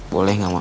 boleh gak mak